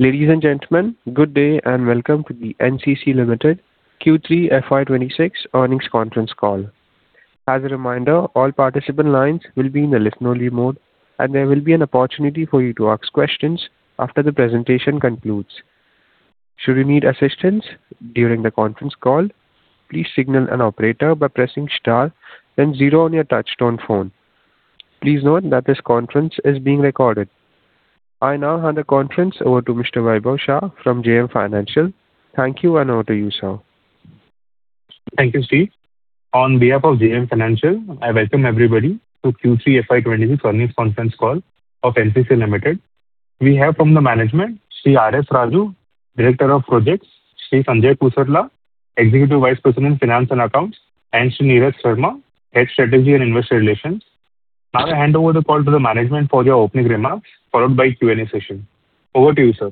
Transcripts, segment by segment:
Ladies and gentlemen, good day and welcome to the NCC Limited Q3 FY 2026 Earnings Conference Call. As a reminder, all participant lines will be in the list-only mode, and there will be an opportunity for you to ask questions after the presentation concludes. Should you need assistance during the conference call, please signal an operator by pressing star then zero on your touch-tone phone. Please note that this conference is being recorded. I now hand the conference over to Mr. Vaibhav Shah from JM Financial. Thank you, and over to you, sir. Thank you, Steve. On behalf of JM Financial, I welcome everybody to Q3 FY 2026 Earnings Conference Call of NCC Limited. We have from the management: Shri R.S. Raju, Director of Projects; Shri Sanjay Pusarla, Executive Vice President Finance and Accounts; and Shri Neerad Sharma, Head Strategy and Investor Relations. Now I hand over the call to the management for their opening remarks, followed by a Q&A session. Over to you, sir.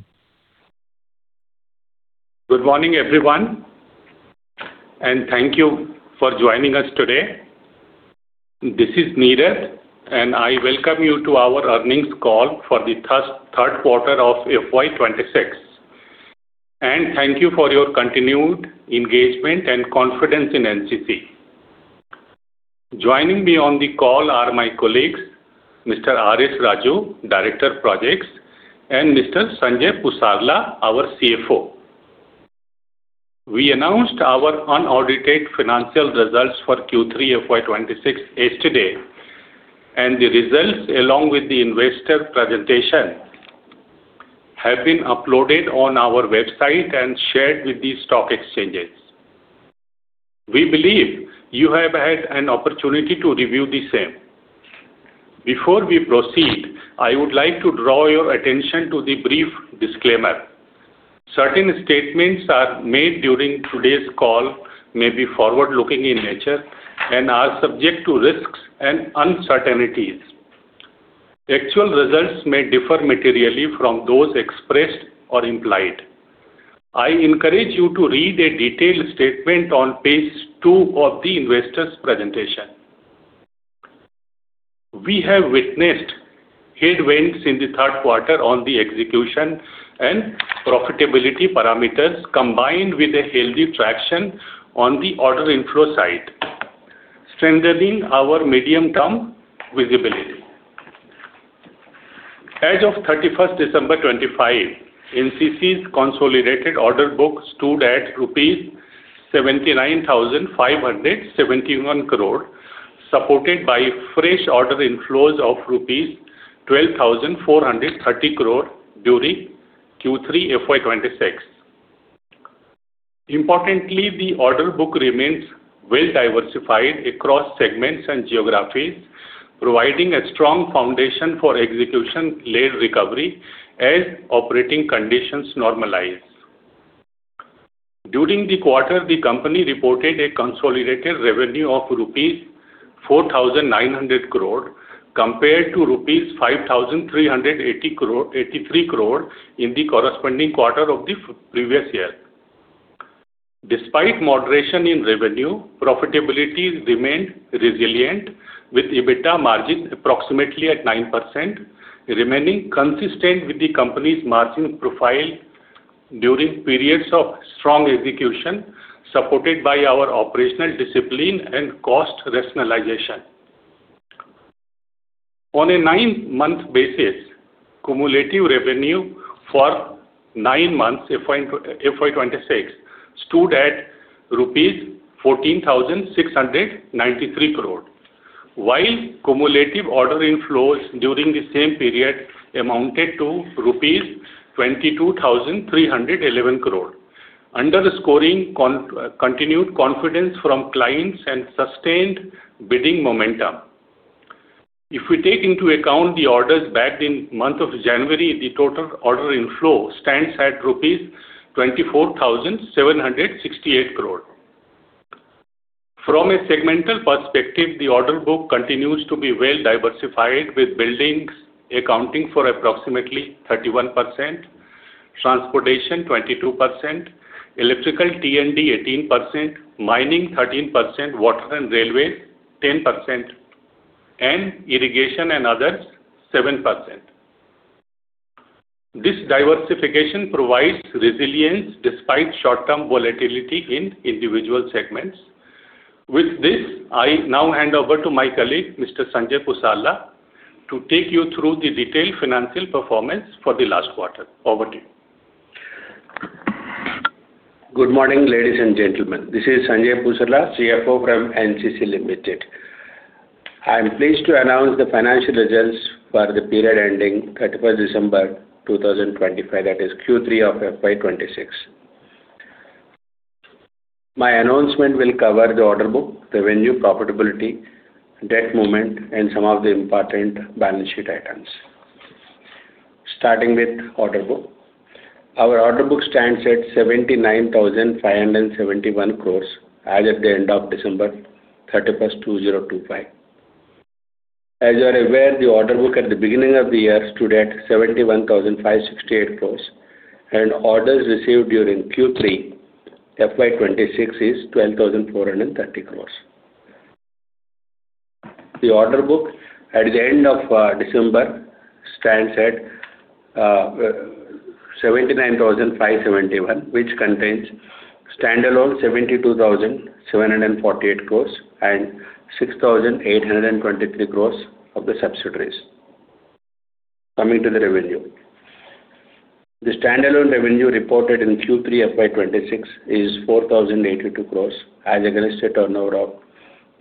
Good morning, everyone, and thank you for joining us today. This is Neerad, and I welcome you to our earnings call for the third quarter of FY 2026. Thank you for your continued engagement and confidence in NCC. Joining me on the call are my colleagues: Mr. R. S. Raju, Director of Projects; and Mr. Sanjay Pusarla, our CFO. We announced our unaudited financial results for Q3 FY 2026 yesterday, and the results, along with the investor presentation, have been uploaded on our website and shared with the stock exchanges. We believe you have had an opportunity to review the same. Before we proceed, I would like to draw your attention to the brief disclaimer. Certain statements made during today's call may be forward-looking in nature and are subject to risks and uncertainties. Actual results may differ materially from those expressed or implied. I encourage you to read a detailed statement on page two of the investor's presentation. We have witnessed headwinds in the third quarter on the execution and profitability parameters, combined with a healthy traction on the order inflow side, strengthening our medium-term visibility. As of 31st December 2025, NCC's consolidated order book stood at 79,571 crore rupees, supported by fresh order inflows of 12,430 crore rupees during Q3 FY 2026. Importantly, the order book remains well-diversified across segments and geographies, providing a strong foundation for execution-led recovery as operating conditions normalize. During the quarter, the company reported a consolidated revenue of rupees 4,900 crore compared to rupees 5,383 crore in the corresponding quarter of the previous year. Despite moderation in revenue, profitability remained resilient, with EBITDA margin approximately at 9%, remaining consistent with the company's margin profile during periods of strong execution, supported by our operational discipline and cost rationalization. On a 9-month basis, cumulative revenue for 9 months FY 2026 stood at rupees 14,693 crore, while cumulative order inflows during the same period amounted to rupees 22,311 crore, underscoring continued confidence from clients and sustained bidding momentum. If we take into account the orders back in the month of January, the total order inflow stands at 24,768 crore rupees. From a segmental perspective, the order book continues to be well-diversified, with buildings accounting for approximately 31%, transportation 22%, electrical T&D 18%, mining 13%, water and railways 10%, and irrigation and others 7%. This diversification provides resilience despite short-term volatility in individual segments. With this, I now hand over to my colleague, Mr. Sanjay Pusarla, to take you through the detailed financial performance for the last quarter. Over to you. Good morning, ladies and gentlemen. This is Sanjay Pusarla, CFO from NCC Limited. I am pleased to announce the financial results for the period ending 31st December 2025, that is Q3 of FY 2026. My announcement will cover the order book, revenue, profitability, debt movement, and some of the important balance sheet items. Starting with order book, our order book stands at 79,571 crores as of the end of 31st December, 2025. As you are aware, the order book at the beginning of the year stood at 71,568 crores, and orders received during Q3 FY 2026 is 12,430 crores. The order book at the end of December stands at 79,571, which contains standalone 72,748 crores and 6,823 crores of the subsidiaries. Coming to the revenue, the standalone revenue reported in Q3 FY 2026 is 4,082 crores as against a turnover of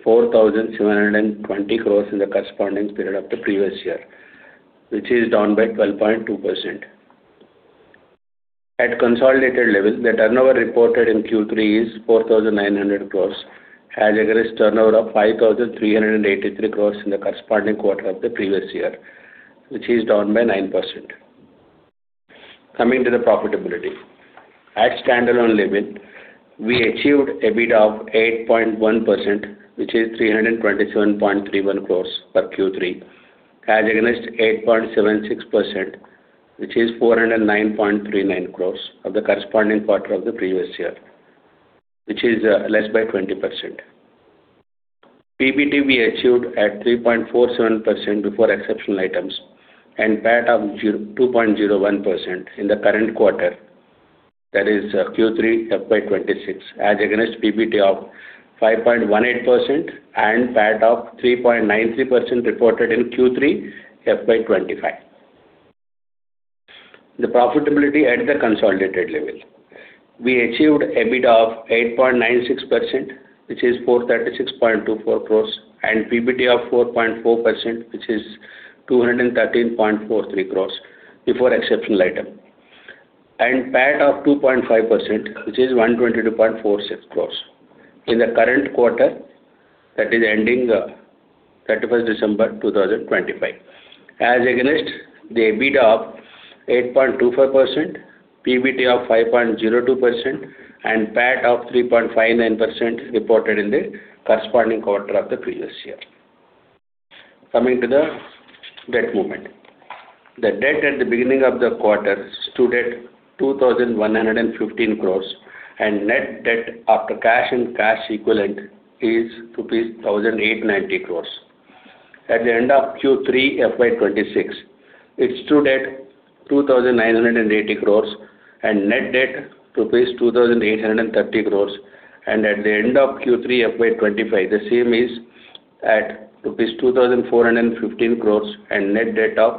4,720 crores in the corresponding period of the previous year, which is down by 12.2%. At consolidated level, the turnover reported in Q3 is 4,900 crores as against a turnover of 5,383 crores in the corresponding quarter of the previous year, which is down by 9%. Coming to the profitability, at standalone level, we achieved EBITDA of 8.1%, which is 327.31 crores per Q3, as against 8.76%, which is 409.39 crores of the corresponding quarter of the previous year, which is less by 20%. PBT we achieved at 3.47% before exceptional items and PAT of 2.01% in the current quarter, that is Q3 FY 2026, as against PBT of 5.18% and PAT of 3.93% reported in Q3 FY 2025. The profitability at the consolidated level, we achieved EBITDA of 8.96%, which is 436.24 crores, and PBT of 4.4%, which is 213.43 crores before exceptional item, and PAT of 2.5%, which is 122.46 crores in the current quarter, that is ending 31st December 2025, as against the EBITDA of 8.25%, PBT of 5.02%, and PAT of 3.59% reported in the corresponding quarter of the previous year. Coming to the debt movement, the debt at the beginning of the quarter stood at 2,115 crores, and net debt after cash and cash equivalent is rupees 1,890 crores. At the end of Q3 FY 2026, it stood at 2,980 crores and net debt rupees 2,830 crores, and at the end of Q3 FY 2025, the same is at rupees 2,415 crores and net debt of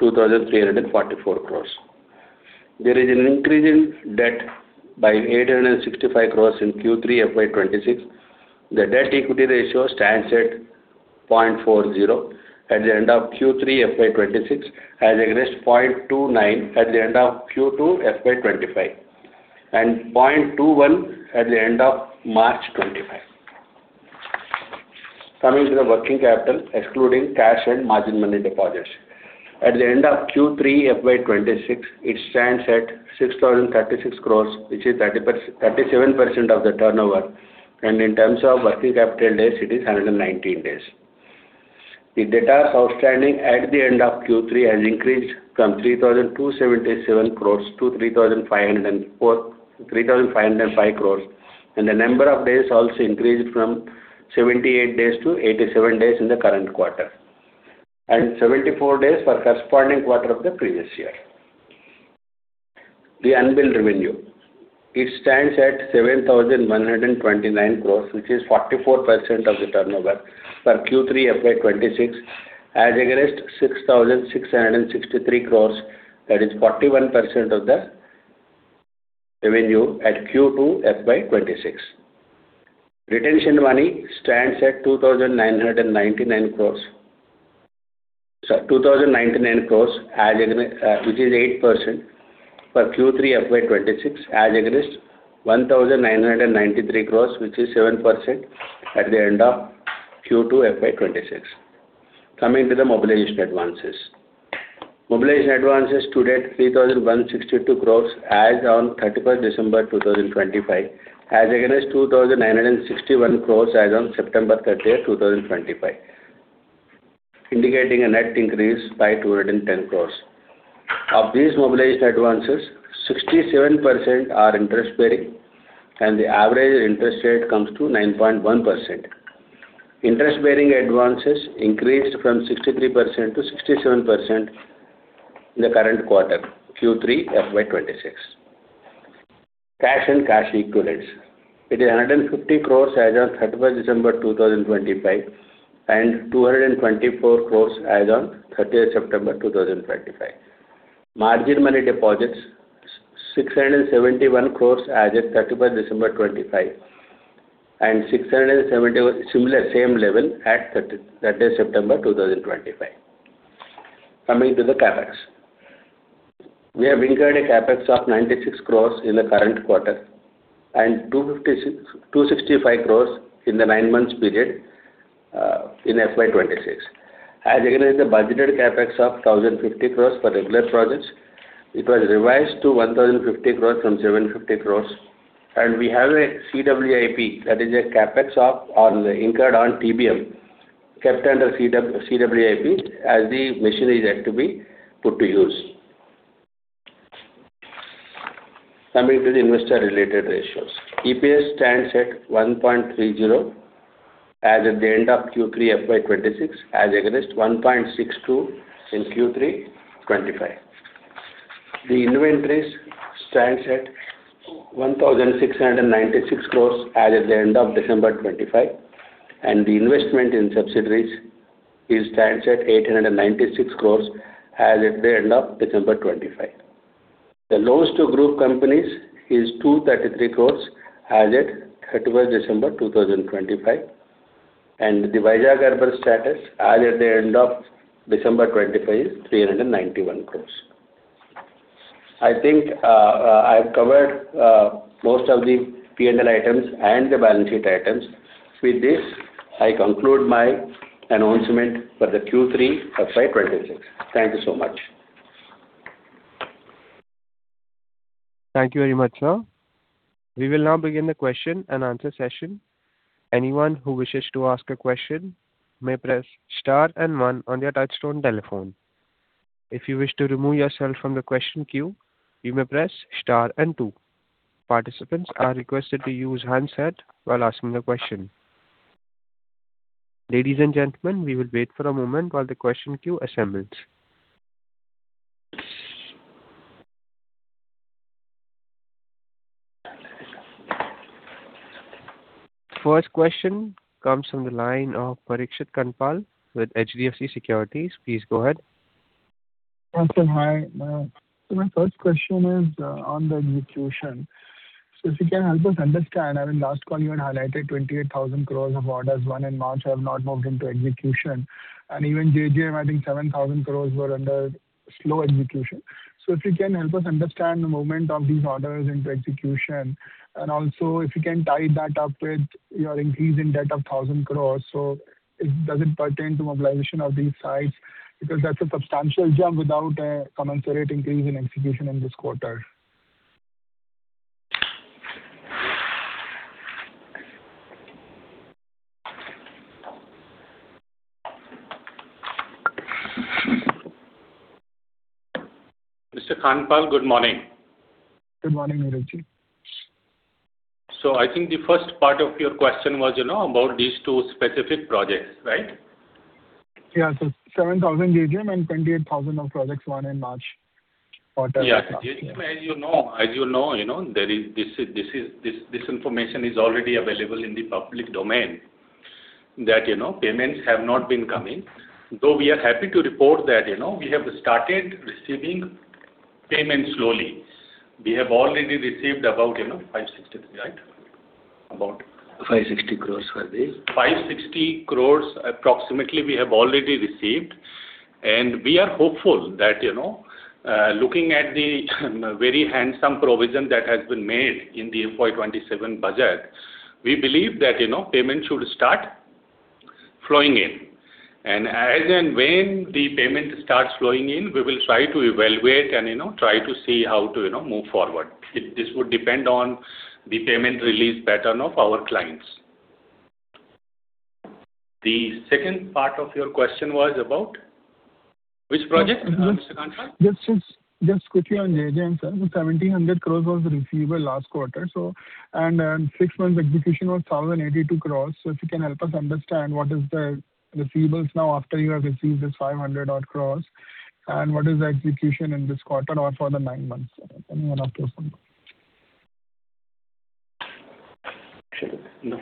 2,344 crores There is an increase in debt by 865 crores in Q3 FY 2026.The debt-equity ratio stands at 0.40 at the end of Q3 FY 2026, as against 0.29 at the end of Q2 FY 2025, and 0.21 at the end of March 2025. Coming to the working capital, excluding cash and margin money deposits, at the end of Q3 FY 2026, it stands at ₹6,036 crores, which is 37% of the turnover, and in terms of working capital days, it is 119 days. The debt outstanding at the end of Q3 has increased from ₹3,277 crores to ₹3,505 crores, and the number of days also increased from 78 days to 87 days in the current quarter, and 74 days for the corresponding quarter of the previous year. The unbilled revenue, it stands at ₹7,129 crores, which is 44% of the turnover for Q3 FY 2026, as against ₹6,663 crores, that is 41% of the revenue at Q2 FY 2026. Retention money stands at 2,999 crores, which is 8% for Q3 FY 2026, as against 1,993 crores, which is 7% at the end of Q2 FY 2026. Coming to the mobilization advances, mobilization advances stood at 3,162 crores as on 31st December 2025, as against 2,961 crores as on September 30th, 2025, indicating a net increase by 210 crores. Of these mobilization advances, 67% are interest-bearing, and the average interest rate comes to 9.1%. Interest-bearing advances increased from 63%-67% in the current quarter, Q3 FY 2026. Cash and cash equivalents, it is 150 crores as on 31st December 2025, and 224 crores as on 30th September 2025. Margin money deposits, 671 crores as of 31st December 2025, and 671 similar, same level at 30th September 2025. Coming to the CapEx, we have incurred a CapEx of 96 crores in the current quarter and 265 crores in the 9-month period in FY 2026. As against the budgeted CapEx of 1,050 crores for regular projects, it was revised to 1,050 crores from 750 crores, and we have a CWIP, that is a CapEx incurred on TBM, kept under CWIP as the machinery is to be put to use. Coming to the investor-related ratios, EPS stands at 1.30 as at the end of Q3 FY 2026, as against 1.62 in Q3 2025. The inventories stands at 1,696 crores as at the end of December 2025, and the investment in subsidiaries stands at 896 crores as at the end of December 2025. The loans to group companies is 233 crores as of 31st December 2025, and the working capital status as of the end of December 2025 is 391 crores. I think I have covered most of the P&L items and the balance sheet items. With this, I conclude my announcement for the Q3 FY 2026. Thank you so much. Thank you very much, sir. We will now begin the Q&A session. Anyone who wishes to ask a question may press star and one on your touch-tone telephone. If you wish to remove yourself from the question queue, you may press star and two. Participants are requested to use handsets while asking the question. Ladies and gentlemen, we will wait for a moment while the question queue assembles. First question comes from the line of Parikshit Kandpal with HDFC Securities. Please go ahead. Yes, sir. Hi. My first question is on the execution. So if you can help us understand, I mean, last call you had highlighted 28,000 crores of orders, one in March have not moved into execution, and even JJM, I think, 7,000 crores were under slow execution. So if you can help us understand the movement of these orders into execution, and also if you can tie that up with your increase in debt of 1,000 crores, so does it pertain to mobilization of these sites? Because that's a substantial jump without a commensurate increase in execution in this quarter. Mr. Kandpal, good morning. Good morning, Neerad. So I think the first part of your question was about these two specific projects, right? Yeah, sir. 7,000 JJM and 28,000 of projects, one in March quarter. Yes, JJM, as you know, there is this information is already available in the public domain that payments have not been coming, though we are happy to report that we have started receiving payments slowly. We have already received about 560, right? About. 560 crores for the. 560 crores, approximately, we have already received, and we are hopeful that looking at the very handsome provision that has been made in the FY 2027 budget, we believe that payments should start flowing in. And as and when the payment starts flowing in, we will try to evaluate and try to see how to move forward. This would depend on the payment release pattern of our clients. The second part of your question was about which project, Mr. Kandpal? Yes, just quickly on JJM, sir. 1,700 crores was the receivable last quarter, and six months execution was 1,082 crores. So if you can help us understand what is the receivables now after you have received this 500 crores, and what is the execution in this quarter or for the nine months? Anyone after some? Actually, no.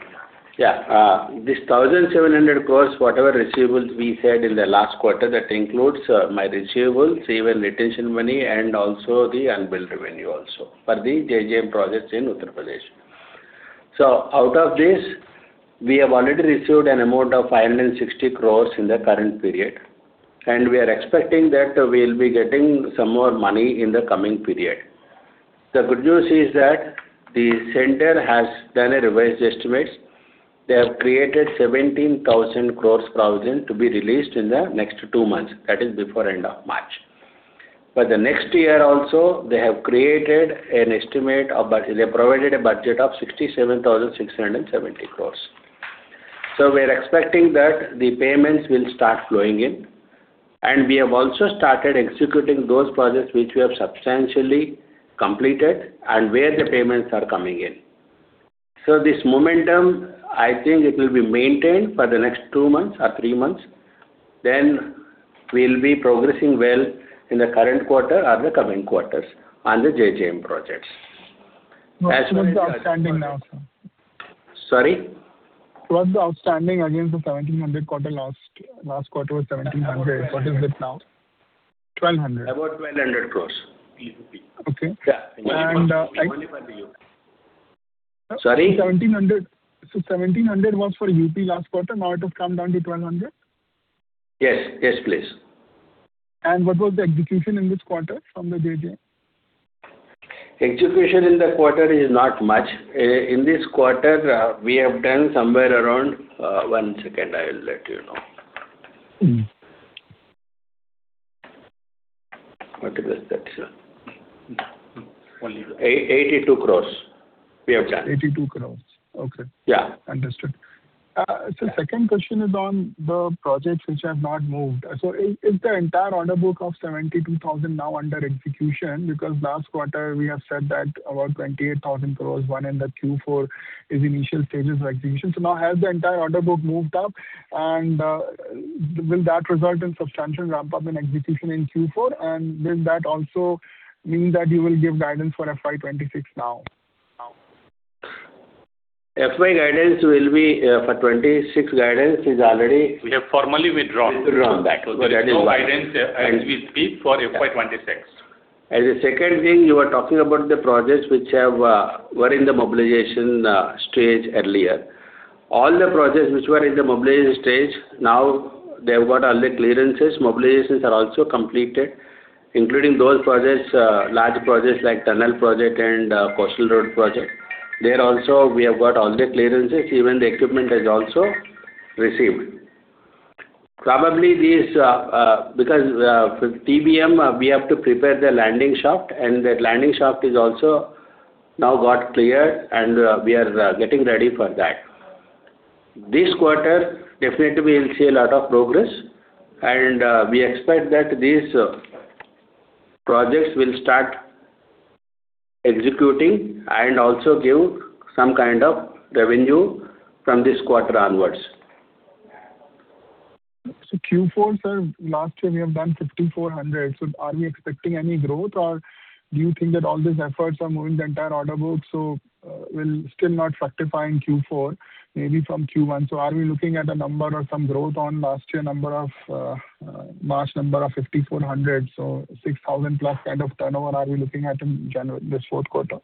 Yeah. This 1,700 crores, whatever receivables we said in the last quarter, that includes my receivables, even retention money, and also the unbilled revenue also for the JJM projects in Uttar Pradesh. So out of this, we have already received an amount of 560 crores in the current period, and we are expecting that we'll be getting some more money in the coming period. The good news is that the center has done revised estimates. They have created 17,000 crores provision to be released in the next two months. That is before end of March. For the next year also, they have created an estimate of they provided a budget of 67,670 crores. So we are expecting that the payments will start flowing in, and we have also started executing those projects which we have substantially completed and where the payments are coming in. This momentum, I think it will be maintained for the next 2 months or 3 months, then we'll be progressing well in the current quarter or the coming quarters on the JJM projects. What's the outstanding now, sir? Sorry? What's the outstanding against the 1,700 quarter? Last quarter was 1,700. What is it now? 1,200. About 1,200 crores. Okay. Yeah. Only for the UP. Sorry? 1,700. So 1,700 was for UP last quarter. Now it has come down to 1,200? Yes. Yes, please. What was the execution in this quarter from the JJM? Execution in the quarter is not much. In this quarter, we have done somewhere around one second. I will let you know. What is that, sir? Only. 82 crores we have done. 82 crore. Okay. Yeah. Understood. So the second question is on the projects which have not moved. So is the entire order book of 72,000 crore now under execution? Because last quarter, we have said that about 28,000 crore won in Q4 is initial stages of execution. So now has the entire order book moved up, and will that result in substantial ramp-up in execution in Q4? And will that also mean that you will give guidance for FY 2026 now? FY guidance will be for 2026. Guidance is already. We have formally withdrawn from that. There is no guidance as we speak for FY 2026. As a second thing, you were talking about the projects which were in the mobilization stage earlier. All the projects which were in the mobilization stage, now they have got all the clearances. Mobilizations are also completed, including those projects, large projects like tunnel project and coastal road project. There also, we have got all the clearances. Even the equipment has also received. Probably these because for TBM, we have to prepare the landing shaft, and that landing shaft is also now got cleared, and we are getting ready for that. This quarter, definitely, we'll see a lot of progress, and we expect that these projects will start executing and also give some kind of revenue from this quarter onwards. So, Q4, sir, last year, we have done 5,400. So, are we expecting any growth, or do you think that all these efforts are moving the entire order book so we're still not fructifying Q4, maybe from Q1? So, are we looking at a number or some growth on last year number of March number of 5,400, so 6,000+ kind of turnover; are we looking at in this fourth quarter?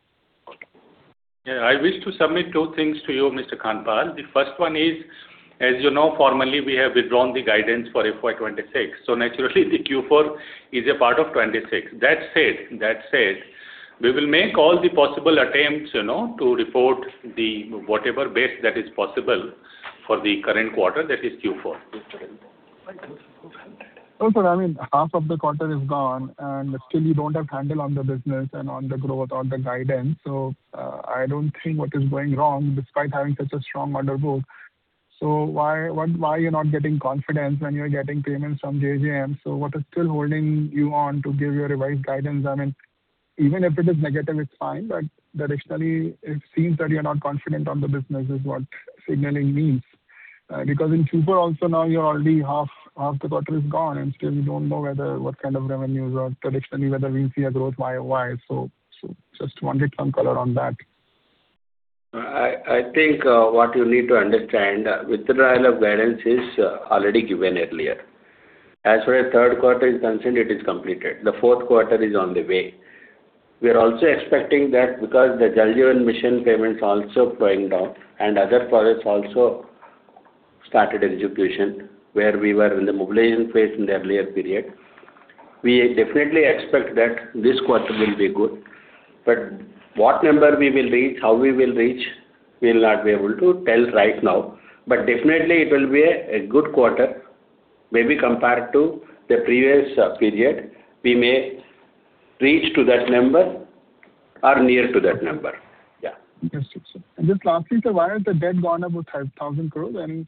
Yeah. I wish to submit two things to you, Mr. Kandpal. The first one is, as you know, formally, we have withdrawn the guidance for FY 2026. So naturally, the Q4 is a part of '26. That said, we will make all the possible attempts to report whatever best that is possible for the current quarter, that is Q4. Q4 is good. No, sir. I mean, half of the quarter is gone, and still, you don't have handle on the business and on the growth or the guidance. So I don't think what is going wrong, despite having such a strong order book. So why are you not getting confidence when you're getting payments from JJM? So what is still holding you on to give your revised guidance? I mean, even if it is negative, it's fine, but traditionally, it seems that you're not confident on the business is what signaling means. Because in Q4 also, now, you're already half the quarter is gone, and still, you don't know what kind of revenues or traditionally, whether we see a growth why or why. So just wanted some color on that. I think what you need to understand, withdrawal of guidance is already given earlier. As for the third quarter is concerned, it is completed. The fourth quarter is on the way. We are also expecting that because the JJM mission payments also flowing down and other projects also started execution where we were in the mobilization phase in the earlier period, we definitely expect that this quarter will be good. But what number we will reach, how we will reach, we'll not be able to tell right now. But definitely, it will be a good quarter, maybe compared to the previous period. We may reach to that number or near to that number. Yeah. Understood, sir. And just lastly, sir, why has the debt gone up with 5,000 crores? I mean,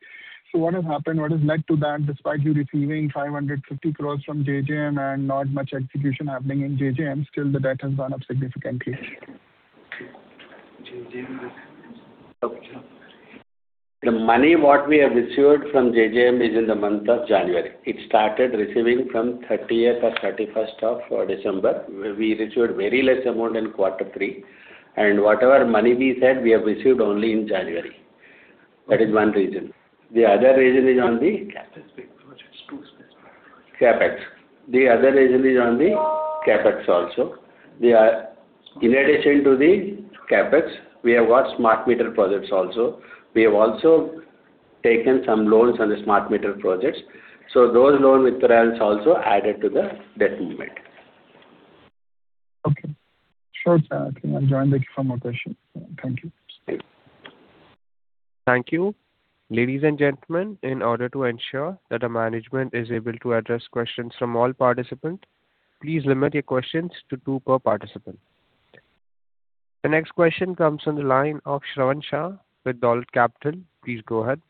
so what has happened? What has led to that, despite you receiving 550 crores from JJM and not much execution happening in JJM, still, the debt has gone up significantly? The money what we have received from JJM is in the month of January. It started receiving from 30th or 31st of December. We received very less amount in quarter three. And whatever money we said, we have received only in January. That is one reason. The other reason is on the. CapEx big projects. Two specific projects. CapEx. The other reason is on the CapEx also. In addition to the CapEx, we have got smart meter projects also. We have also taken some loans on the smart meter projects. So those loan withdrawals also added to the debt movement. Okay. Sure, sir. I can join. Thank you for more questions. Thank you. Thank you. Ladies and gentlemen, in order to ensure that the management is able to address questions from all participants, please limit your questions to two per participant. The next question comes from the line of Shravan Shah with Dolat Capital. Please go ahead.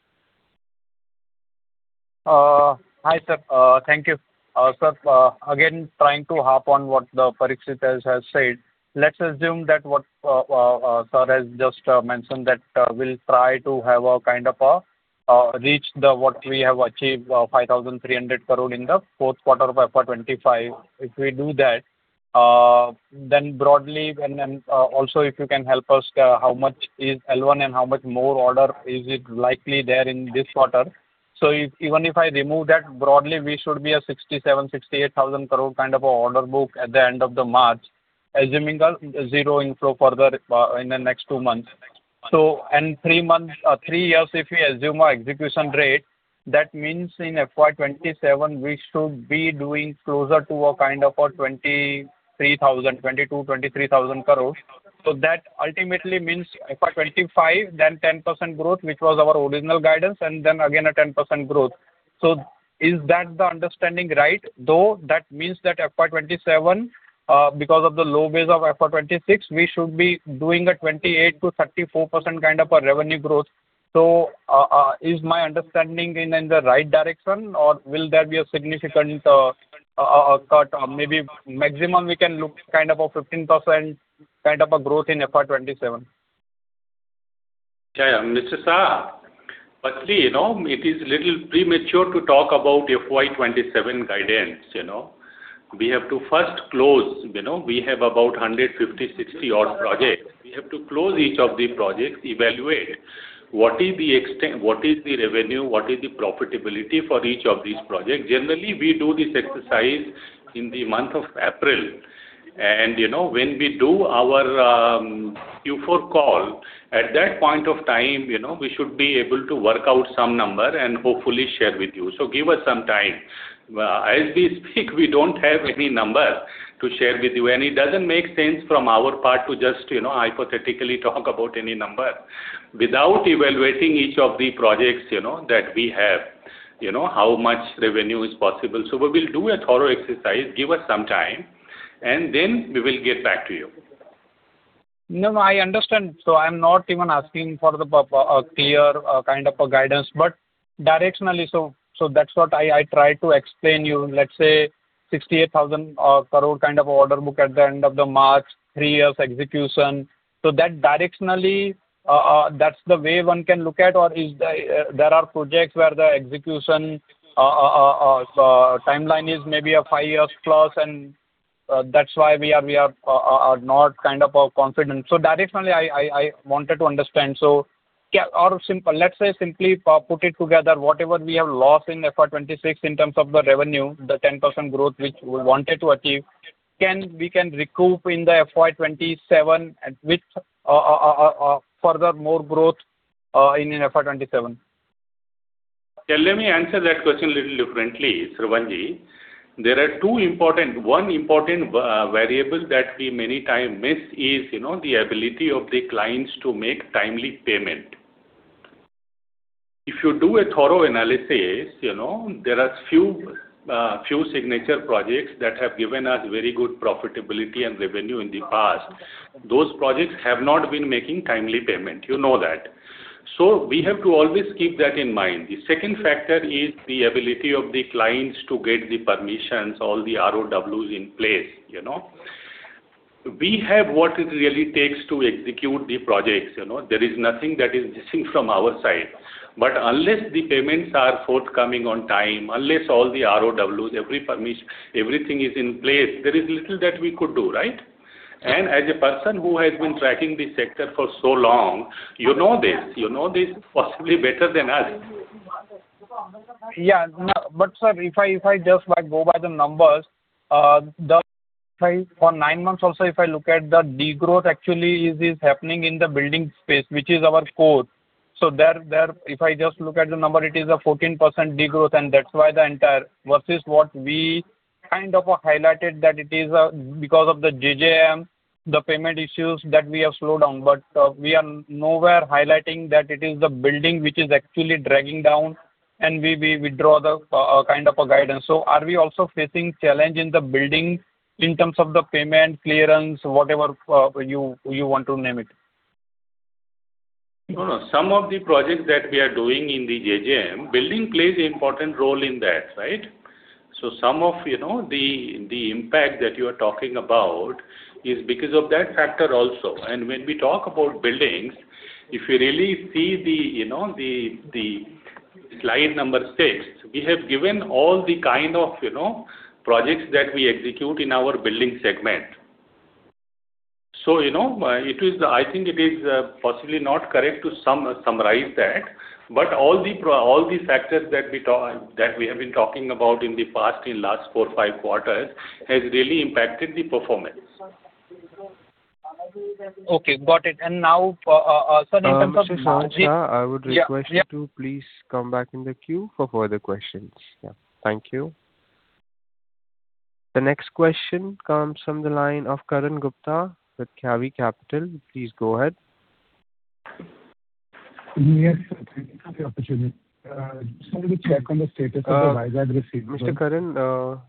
Hi, sir. Thank you. Sir, again, trying to harp on what Parikshit has said. Let's assume that what sir has just mentioned that we'll try to have a kind of a reach what we have achieved, 5,300 crore in the fourth quarter of FY 2025. If we do that, then broadly, and also, if you can help us, how much is L1 and how much more order is it likely there in this quarter? So even if I remove that, broadly, we should be a 67,000-68,000 crore kind of a order book at the end of the March, assuming zero inflow further in the next two months. And three years, if we assume our execution rate, that means in FY 2027, we should be doing closer to a kind of a 22,000-23,000 crore. So that ultimately means FY 2025, then 10% growth, which was our original guidance, and then again a 10% growth. So is that the understanding right? Though that means that FY 2027, because of the low base of FY 2026, we should be doing a 28%-34% kind of a revenue growth. So is my understanding in the right direction, or will there be a significant cut? Maybe maximum we can look kind of a 15% kind of a growth in FY 2027. Yeah, yeah. Mr. Shah, actually, it is a little premature to talk about FY 2027 guidance. We have to first close. We have about 150, 60 odd projects. We have to close each of the projects, evaluate what is the extent, what is the revenue, what is the profitability for each of these projects. Generally, we do this exercise in the month of April. When we do our Q4 call, at that point of time, we should be able to work out some number and hopefully share with you. So give us some time. As we speak, we don't have any number to share with you, and it doesn't make sense from our part to just hypothetically talk about any number without evaluating each of the projects that we have, how much revenue is possible. We will do a thorough exercise, give us some time, and then we will get back to you. No, I understand. So I'm not even asking for a clear kind of a guidance, but directionally, so that's what I try to explain you. Let's say 68,000 crore kind of a order book at the end of the March, three years execution. So directionally, that's the way one can look at, or there are projects where the execution timeline is maybe five years plus, and that's why we are not kind of confident. So directionally, I wanted to understand. So let's say simply put it together. Whatever we have lost in FY 2026 in terms of the revenue, the 10% growth which we wanted to achieve, we can recoup in the FY 2027 with further more growth in FY 2027? Let me answer that question a little differently, Shravanji. There are two important. One important variable that we many times miss is the ability of the clients to make timely payment. If you do a thorough analysis, there are few signature projects that have given us very good profitability and revenue in the past. Those projects have not been making timely payment. You know that. So we have to always keep that in mind. The second factor is the ability of the clients to get the permissions, all the ROWs in place. We have what it really takes to execute the projects. There is nothing that is missing from our side. But unless the payments are forthcoming on time, unless all the ROWs, everything is in place, there is little that we could do, right? As a person who has been tracking this sector for so long, you know this. You know this possibly better than us. Yeah. But sir, if I just go by the numbers, for nine months also, if I look at the degrowth, actually, is happening in the building space, which is our core. So if I just look at the number, it is a 14% degrowth, and that's why the entire versus what we kind of highlighted that it is because of the JJM, the payment issues that we have slowed down. But we are nowhere highlighting that it is the building which is actually dragging down, and we withdraw the kind of a guidance. So are we also facing challenge in the building in terms of the payment, clearance, whatever you want to name it? No, no. Some of the projects that we are doing in the JJM, building plays an important role in that, right? So some of the impact that you are talking about is because of that factor also. And when we talk about buildings, if you really see the slide number 6, we have given all the kind of projects that we execute in our building segment. So I think it is possibly not correct to summarize that, but all the factors that we have been talking about in the past, in last four, five quarters, has really impacted the performance. Okay. Got it. And now, sir, in terms of. Shravan Shah, I would request to please come back in the queue for further questions. Thank you. The next question comes from the line of Karan Gupta with Cavi Capital. Please go ahead. Yes, sir. Thank you for the opportunity. Just wanted to check on the status of the visa I've received. Mr. Karan,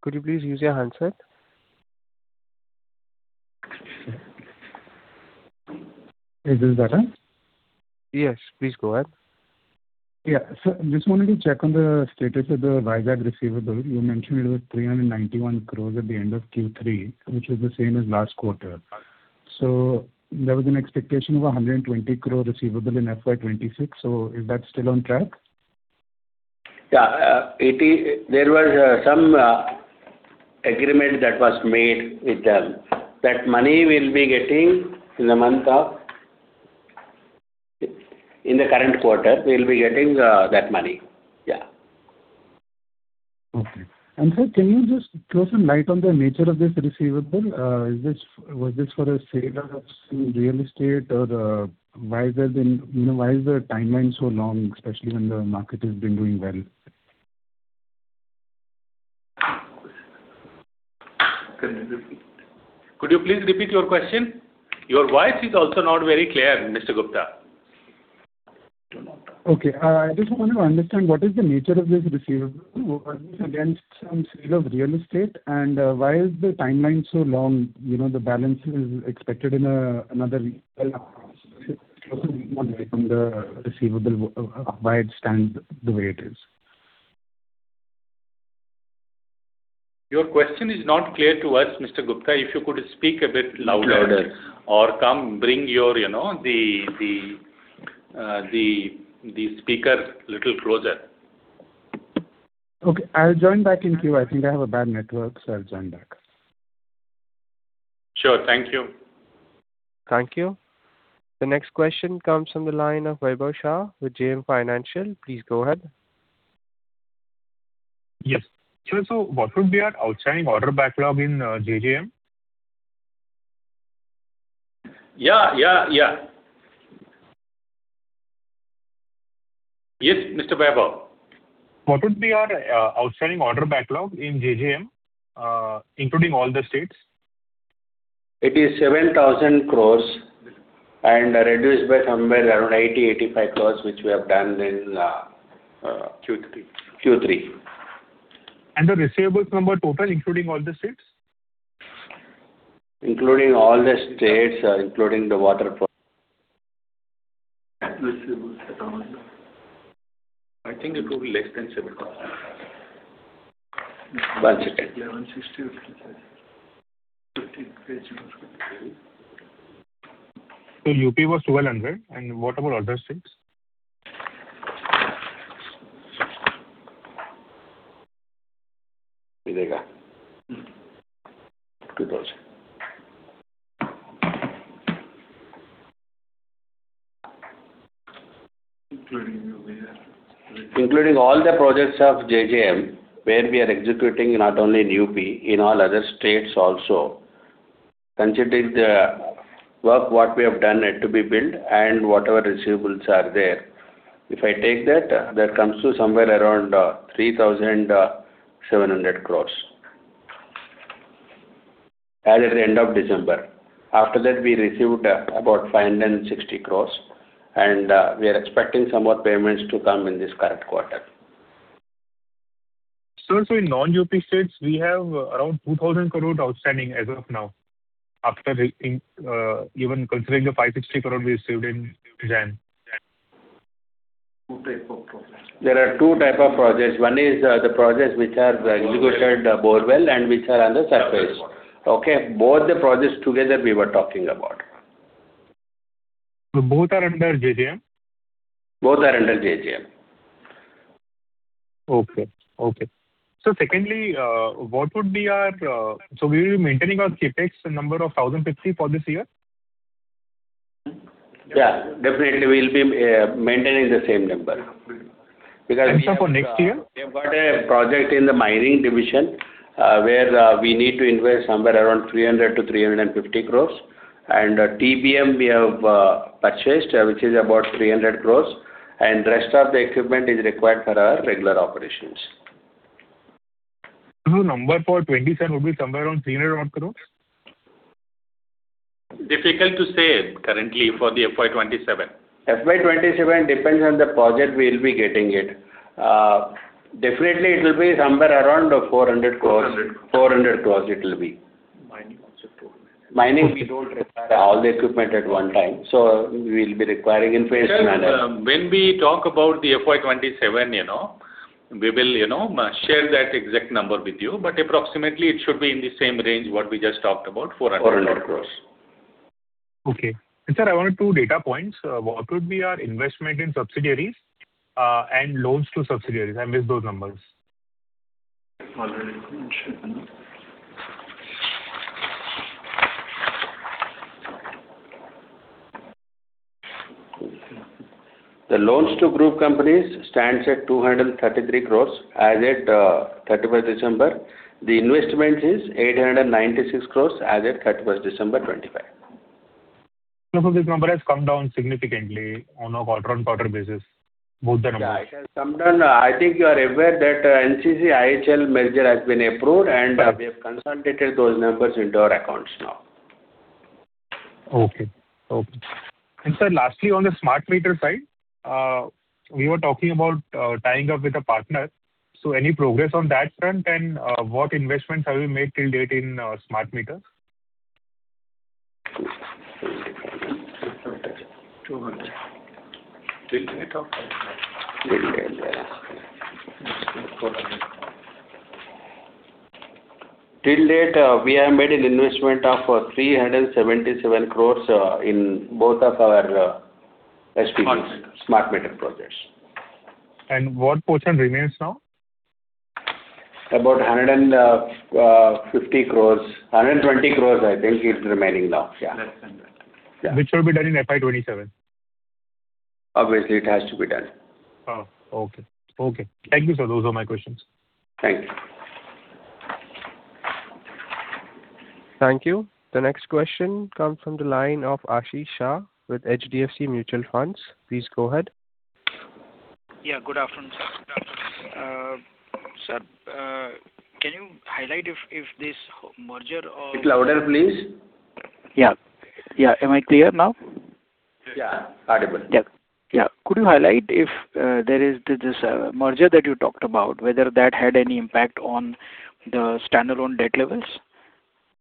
could you please use your handset? Is this better? Yes. Please go ahead. Yeah. So just wanted to check on the status of the JV receivable. You mentioned it was 391 crores at the end of Q3, which is the same as last quarter. So there was an expectation of 120 crore receivable in FY 2026. So is that still on track? Yeah. There was some agreement that was made with them that money will be getting in the current quarter, we'll be getting that money. Yeah. Okay. And sir, can you just throw some light on the nature of this receivable? Was this for a sale of some real estate, or why is the timeline so long, especially when the market has been doing well? Could you please repeat your question? Your voice is also not very clear, Mr. Gupta. Okay. I just wanted to understand what is the nature of this receivable? Was this against some sale of real estate, and why is the timeline so long? The balance is expected in another year. I'm just trying to close the loop on the receivable, why it stands the way it is? Your question is not clear to us, Mr. Gupta. If you could speak a bit louder or come bring the speaker a little closer. Okay. I'll join back in queue. I think I have a bad network, so I'll join back. Sure. Thank you. Thank you. The next question comes from the line of Vaibhav Shah with JM Financial. Please go ahead. Yes. Sir, so what would be our outstanding order backlog in JJM? Yeah, yeah, yeah. Yes, Mr. Vaibhav. What would be our outstanding order backlog in JJM, including all the states? It is 7,000 crore and reduced by somewhere around 80-85 crore, which we have done in. Q3. Q3. The receivables number total, including all the states? Including all the states, including the water. Receivables at all? I think it will be less than 7,000. 1,600. 1,600. 1,500. UP was 1,200, and what about other states? Hidega. 2,000. Including UP? Including all the projects of JJM where we are executing not only in UP, in all other states also, considering the work what we have done had to be built and whatever receivables are there, if I take that, that comes to somewhere around 3,700 crores as at the end of December. After that, we received about 560 crores, and we are expecting some more payments to come in this current quarter. Sir, so in non-UP states, we have around 2,000 crore outstanding as of now, even considering the 560 crore we received in JAM. There are two type of projects. One is the projects which are executed borewell and which are under surface. Okay? Both the projects together, we were talking about. So both are under JJM? Both are under JJM. Okay. So secondly, what would be our CapEx? So we will be maintaining our CapEx number of 1,050 for this year? Yeah. Definitely, we'll be maintaining the same number because we. Except for next year? We have got a project in the mining division where we need to invest somewhere around 300-350 crores. And TBM we have purchased, which is about 300 crores, and the rest of the equipment is required for our regular operations. Number for 27 would be somewhere around 300 odd crore? Difficult to say currently for the FY 2027. FY 2027 depends on the project we'll be getting it. Definitely, it will be somewhere around 400 crore. 400 crores. 400 crore, it will be. Mining also 400. Mining, we don't require all the equipment at one time, so we'll be requiring in phased manner. Sir, when we talk about the FY 2027, we will share that exact number with you, but approximately, it should be in the same range what we just talked about, 400. Okay. Sir, I wanted two data points. What would be our investment in subsidiaries and loans to subsidiaries? I missed those numbers. The loans to group companies stands at 233 crore as at 31st December. The investment is 896 crore as at 31st December 2025. Some of these numbers have come down significantly on a quarter-on-quarter basis, both the numbers. Yeah. It has come down. I think you are aware that NCC IHL merger has been approved, and we have consolidated those numbers into our accounts now. Okay. Okay. And sir, lastly, on the smart meter side, we were talking about tying up with a partner. So any progress on that front, and what investments have you made till date in smart meters? Smart Meter projects. What portion remains now? About 150 crores. 120 crores, I think, is remaining now. Yeah. Which will be done in FY 2027? Obviously, it has to be done. Oh. Okay. Okay. Thank you, sir. Those are my questions. Thank you. Thank you. The next question comes from the line of Ashish Shah with HDFC Mutual Funds. Please go ahead. Yeah. Good afternoon, sir. Good afternoon. Sir, can you highlight if this merger of? A little louder, please? Yeah. Yeah. Am I clear now? Yeah. Audible. Yeah. Yeah. Could you highlight if there is this merger that you talked about, whether that had any impact on the standalone debt levels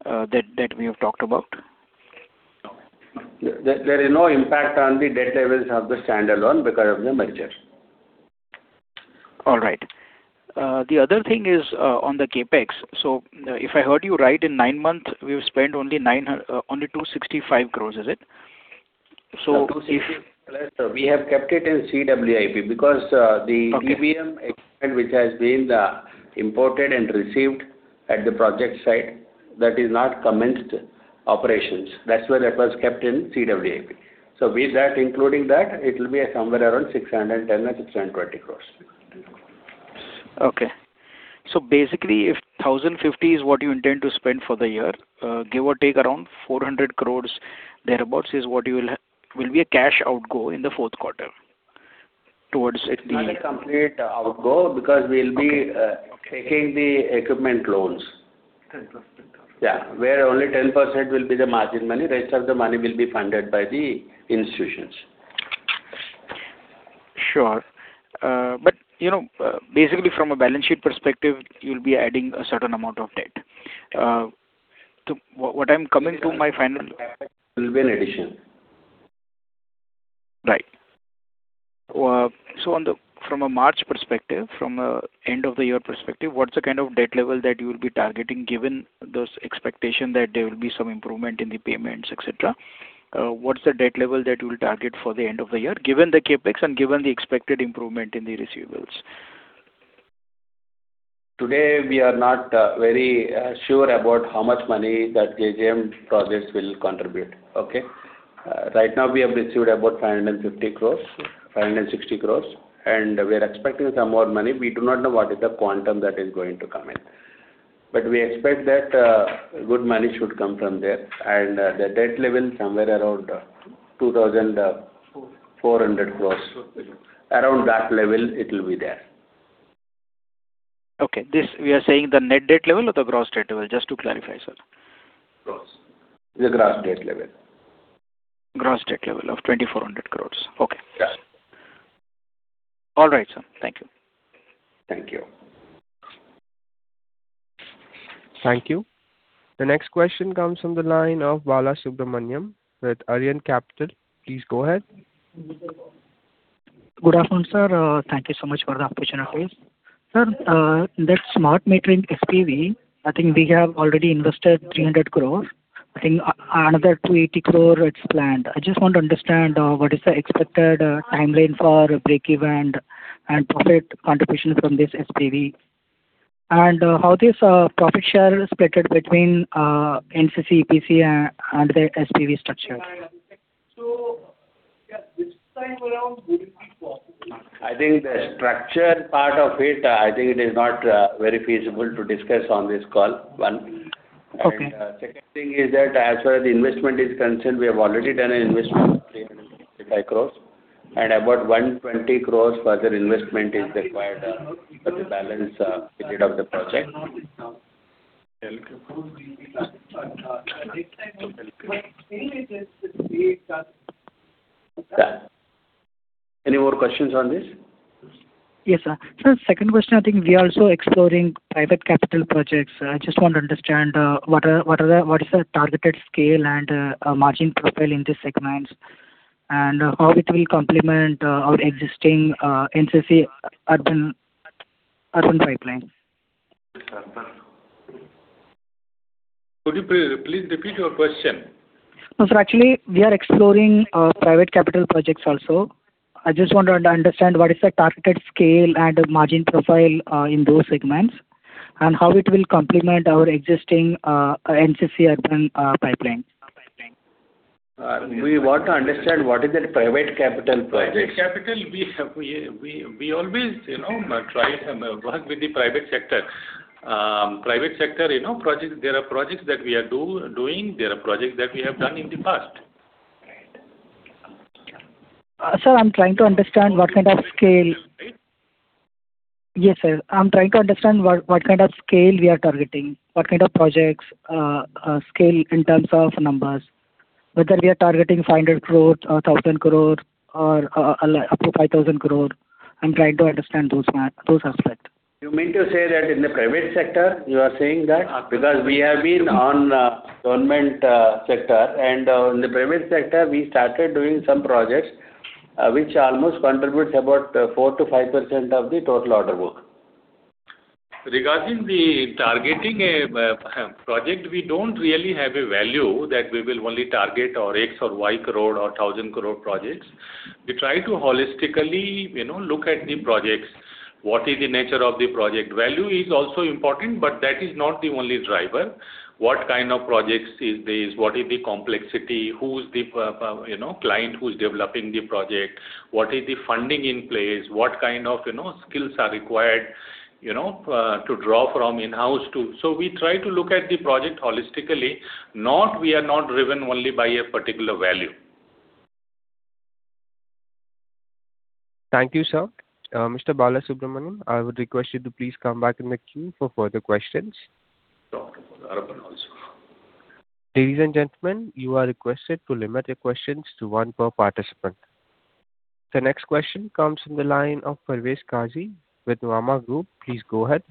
that we have talked about? No. There is no impact on the debt levels of the standalone because of the merger. All right. The other thing is on the CapEx. So if I heard you right, in nine months, we've spent only 265 crores, is it? INR 265+, we have kept it in CWIP because the TBM equipment which has been imported and received at the project site, that is not commenced operations. That's where that was kept in CWIP. So with that, including that, it will be somewhere around 610-620 crores. Okay. So basically, if 1,050 is what you intend to spend for the year, give or take around 400 crore thereabouts is what will be a cash outgo in the fourth quarter towards the. Not a complete outgo because we'll be taking the equipment loans. Yeah. Where only 10% will be the margin money. The rest of the money will be funded by the institutions. Sure. But basically, from a balance sheet perspective, you'll be adding a certain amount of debt. What I'm coming to my final. Will be an addition. Right. So from a March perspective, from the end of the year perspective, what's the kind of debt level that you'll be targeting given those expectations that there will be some improvement in the payments, etc.? What's the debt level that you'll target for the end of the year given the CapEx and given the expected improvement in the receivables? Today, we are not very sure about how much money that JJM projects will contribute. Okay? Right now, we have received about 550 crores, 560 crores, and we are expecting some more money. We do not know what is the quantum that is going to come in. But we expect that good money should come from there, and the debt level, somewhere around 2,400 crores. Around that level, it will be there. Okay. We are saying the net debt level or the gross debt level? Just to clarify, sir. Gross. The gross debt level. Gross debt level of 2,400 crore. Okay. Yeah. All right, sir. Thank you. Thank you. Thank you. The next question comes from the line of Bala Subramaniam with Arihant Capital. Please go ahead. Good afternoon, sir. Thank you so much for the opportunity, sir. Sir, that smart metering SPV, I think we have already invested 300 crore. I think another 280 crore is planned. I just want to understand what is the expected timeline for break-even and profit contribution from this SPV and how this profit share is splitted between NCC, EPC, and the SPV structure. I think the structure part of it, I think it is not very feasible to discuss on this call, one. And second thing is that as far as the investment is concerned, we have already done an investment of 355 crores, and about 120 crores further investment is required for the balance period of the project. Any more questions on this? Yes, sir. Sir, second question, I think we are also exploring private capital projects. I just want to understand what is the targeted scale and margin profile in these segments and how it will complement our existing NCC Urban pipeline. Could you please repeat your question? No, sir. Actually, we are exploring private capital projects also. I just want to understand what is the targeted scale and margin profile in those segments and how it will complement our existing NCC Urban pipeline. We want to understand what is that private capital projects. Private capital, we always try to work with the private sector. Private sector projects, there are projects that we are doing. There are projects that we have done in the past. Right. Sir, I'm trying to understand what kind of scale. Right? Yes, sir. I'm trying to understand what kind of scale we are targeting, what kind of projects scale in terms of numbers, whether we are targeting 500 crore or 1,000 crore or up to 5,000 crore. I'm trying to understand those aspects. You meant to say that in the private sector, you are saying that? Because we have been on government sector, and in the private sector, we started doing some projects which almost contributes about 4%-5% of the total order book. Regarding targeting a project, we don't really have a value that we will only target INR X crore or INR Y crore or 1,000 crore projects. We try to holistically look at the projects. What is the nature of the project? Value is also important, but that is not the only driver. What kind of projects is this? What is the complexity? Who is the client who is developing the project? What is the funding in place? What kind of skills are required to draw from in-house too? So we try to look at the project holistically. We are not driven only by a particular value. Thank you, sir. Mr. Bala Subramaniam, I would request you to please come back in the queue for further questions. Ladies and gentlemen, you are requested to limit your questions to one per participant. The next question comes from the line of Pervez Qazi with Nuvama Group. Please go ahead.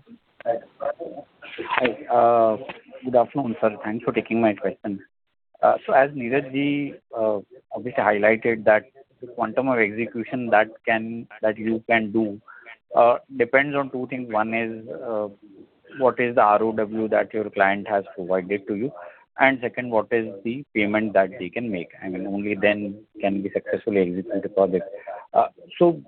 Hi. Good afternoon, sir. Thanks for taking my question. So as Neeradji obviously highlighted, that quantum of execution that you can do depends on two things. One is what is the ROW that your client has provided to you, and second, what is the payment that they can make. I mean, only then can we successfully execute the project. So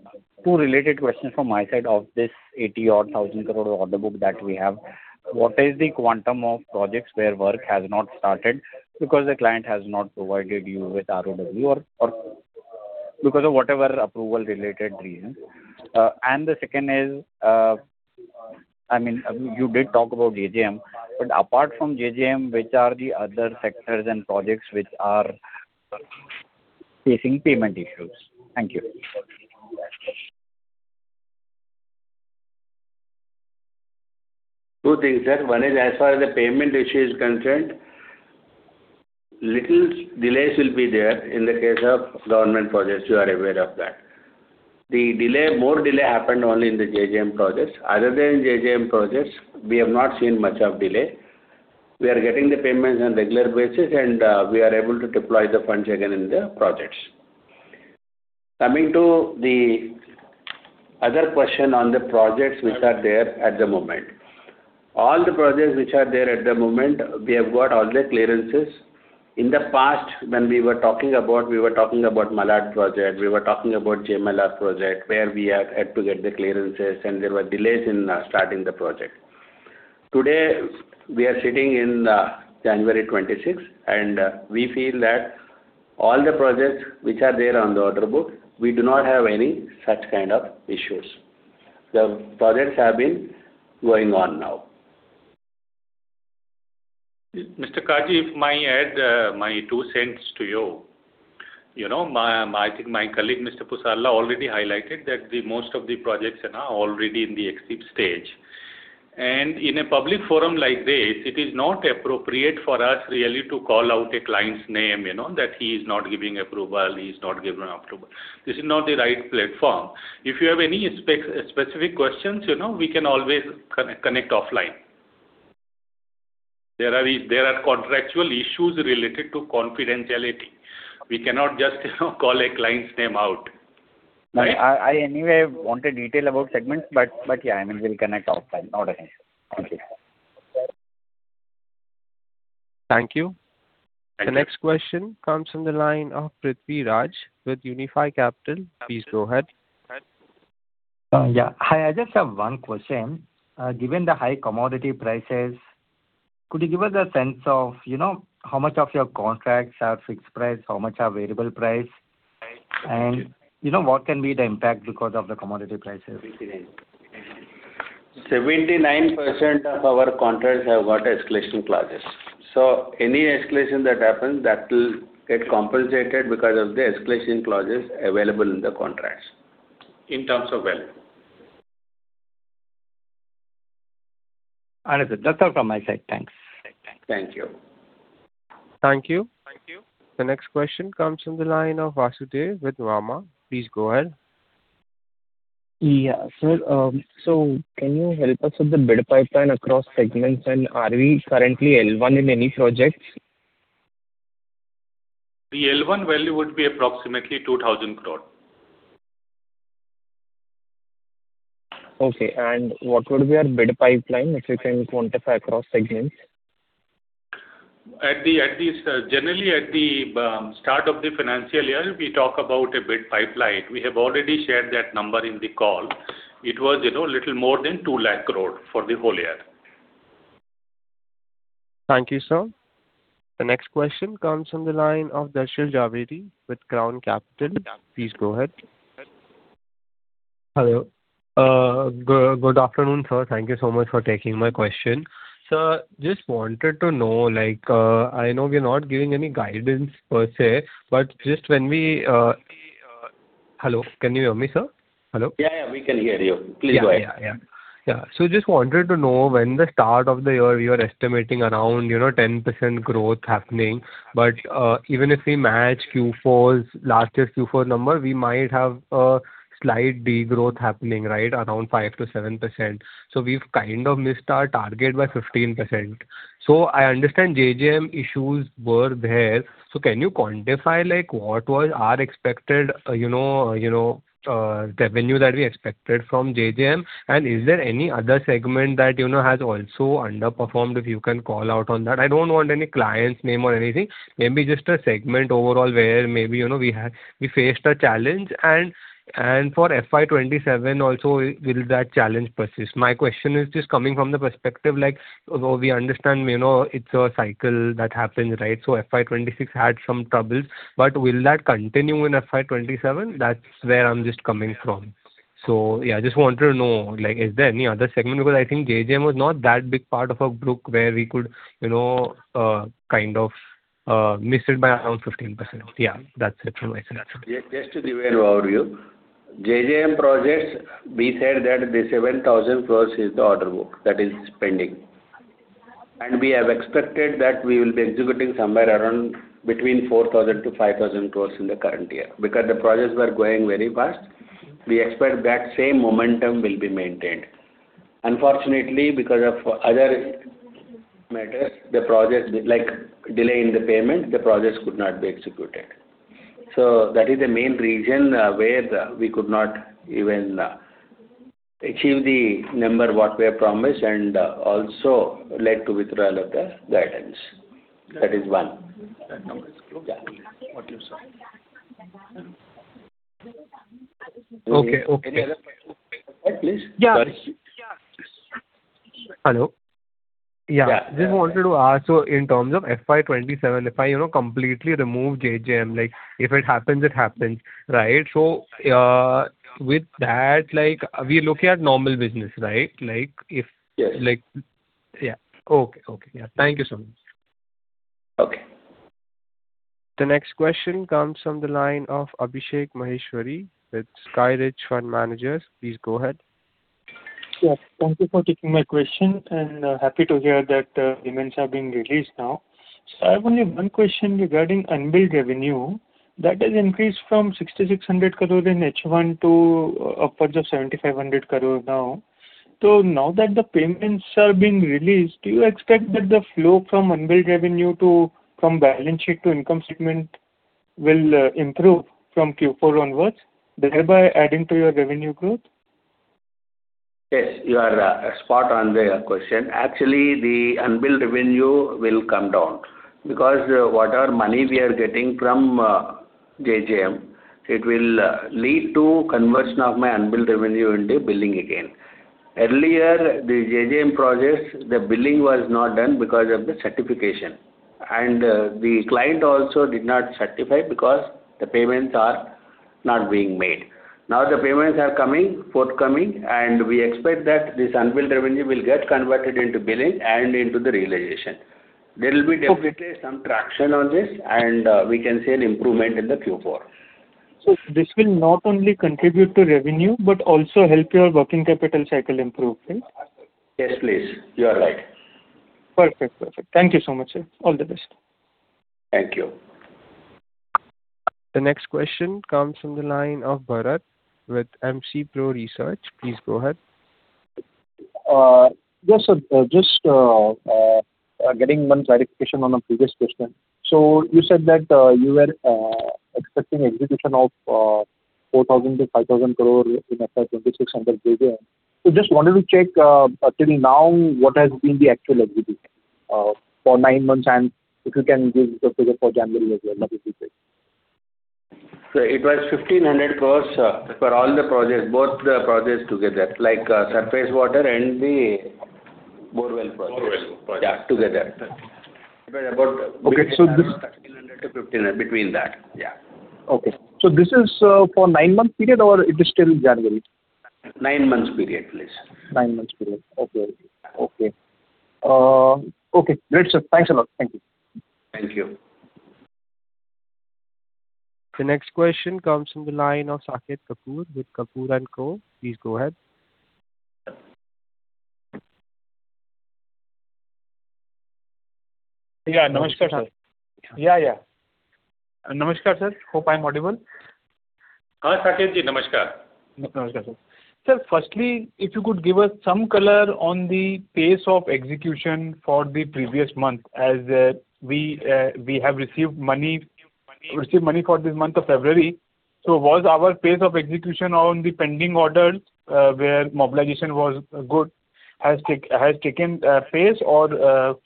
two related questions from my side of this 80 crore or 1,000 crore order book that we have. What is the quantum of projects where work has not started because the client has not provided you with ROW or because of whatever approval-related reasons? And the second is, I mean, you did talk about JJM, but apart from JJM, which are the other sectors and projects which are facing payment issues? Thank you. Two things, sir. One is as far as the payment issue is concerned, little delays will be there in the case of government projects. You are aware of that. More delay happened only in the JJM projects. Other than JJM projects, we have not seen much of delay. We are getting the payments on a regular basis, and we are able to deploy the funds again in the projects. Coming to the other question on the projects which are there at the moment, all the projects which are there at the moment, we have got all the clearances. In the past, when we were talking about, we were talking about Malad project. We were talking about GMLR project where we had to get the clearances, and there were delays in starting the project. Today, we are sitting on January 26th, and we feel that all the projects which are there on the order book, we do not have any such kind of issues. The projects have been going on now. Mr. Qazi, if I add my two cents to you, I think my colleague, Mr. Pusarla, already highlighted that most of the projects are already in the execution stage. In a public forum like this, it is not appropriate for us really to call out a client's name that he is not giving approval. He is not giving approval. This is not the right platform. If you have any specific questions, we can always connect offline. There are contractual issues related to confidentiality. We cannot just call a client's name out, right? I anyway wanted detail about segments, but yeah, I mean, we'll connect offline. Not a hassle. Thank you. Thank you. The next question comes from the line of Prithvi Raj with Unifi Capital. Please go ahead. Yeah. Hi. I just have one question. Given the high commodity prices, could you give us a sense of how much of your contracts are fixed price, how much are variable price, and what can be the impact because of the commodity prices? 79% of our contracts have got escalation clauses. So any escalation that happens, that will get compensated because of the escalation clauses available in the contracts. In terms of value. Understood. That's all from my side. Thanks. Thank you. Thank you. The next question comes from the line of Vasudev with Nuvama. Please go ahead. Yeah, sir. So can you help us with the bid pipeline across segments? And are we currently L1 in any projects? The L1 value would be approximately 2,000 crore. Okay. What would be our bid pipeline if we can quantify across segments? Generally, at the start of the financial year, we talk about a bid pipeline. We have already shared that number in the call. It was a little more than 200,000 crore for the whole year. Thank you, sir. The next question comes from the line of Darshil Jhaveri with Sapphire Capital. Please go ahead. Hello. Good afternoon, sir. Thank you so much for taking my question. Sir, just wanted to know, I know we are not giving any guidance per se, but just when we hello? Can you hear me, sir? Hello? Yeah, yeah. We can hear you. Please go ahead. Yeah, yeah, yeah. Yeah. So just wanted to know when the start of the year, we were estimating around 10% growth happening. But even if we match last year's Q4 number, we might have a slight degrowth happening, right, around 5%-7%. So we've kind of missed our target by 15%. So I understand JJM issues were there. So can you quantify what was our expected revenue that we expected from JJM? And is there any other segment that has also underperformed if you can call out on that? I don't want any client's name or anything. Maybe just a segment overall where maybe we faced a challenge. And for FY 2027 also, will that challenge persist? My question is just coming from the perspective we understand it's a cycle that happens, right? So FY 2026 had some troubles, but will that continue in FY 2027? That's where I'm just coming from. So yeah, I just wanted to know, is there any other segment? Because I think JJM was not that big part of our book where we could kind of miss it by around 15%. Yeah, that's it from my side, sir. Just to be aware of you, JJM projects, we said that the 7,000 crore is the order book that is pending. And we have expected that we will be executing somewhere around between 4,000 crore-5,000 crore in the current year. Because the projects were going very fast, we expect that same momentum will be maintained. Unfortunately, because of other matters, the projects delay in the payment, the projects could not be executed. So that is the main reason where we could not even achieve the number what we have promised and also led to withdrawal of the guidance. That is one. That number is close. What you said. Okay, okay. Any other questions? Please? Hello? Yeah. Just wanted to ask, so in terms of FY 2027, if I completely remove JJM, if it happens, it happens, right? So with that, we are looking at normal business, right? If. Yes. Yeah. Okay, okay. Yeah. Thank you so much. Okay. The next question comes from the line of Abhishek Maheshwari with SkyRidge Fund Managers. Please go ahead. Yes. Thank you for taking my question, and happy to hear that payments are being released now. So I have only one question regarding unbuilt revenue. That has increased from 6,600 crore in H1 to upwards of 7,500 crore now. So now that the payments are being released, do you expect that the flow from unbuilt revenue from balance sheet to income statement will improve from Q4 onwards, thereby adding to your revenue growth? Yes, you are spot on the question. Actually, the unbuilt revenue will come down because whatever money we are getting from JJM, it will lead to conversion of my unbuilt revenue into billing again. Earlier, the JJM projects, the billing was not done because of the certification. The client also did not certify because the payments are not being made. Now the payments are forthcoming, and we expect that this unbuilt revenue will get converted into billing and into the realization. There will be definitely some traction on this, and we can see an improvement in the Q4. This will not only contribute to revenue but also help your working capital cycle improve, right? Yes, please. You are right. Perfect, perfect. Thank you so much, sir. All the best. Thank you. The next question comes from the line of Bharat with MC Pro Research. Please go ahead. Yes, sir. Just getting one clarification on a previous question. So you said that you were expecting execution of 4,000 crore-5,000 crore in FY2026 under JJM. So just wanted to check till now what has been the actual execution for nine months, and if you can give the figure for January as well, that would be great. It was 1,500 crore for all the projects, both the projects together, like surface water and the borewell projects. Borewell projects. Yeah, together. It was about between 1,300 to 1,500 between that. Yeah. Okay. So this is for 9 months period, or it is still January? 9 months period, please. Nine months period. Okay. Okay. Okay. Great, sir. Thanks a lot. Thank you. Thank you. The next question comes from the line of Saket Kapoor with Kapoor & Co. Please go ahead. Yeah. Namaskar, sir. Yeah, yeah. Namaskar, sir. Hope I'm audible. Sir, firstly, if you could give us some color on the pace of execution for the previous month as we have received money for this month of February? So was our pace of execution on the pending orders where mobilization was good has taken pace, or